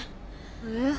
えっ？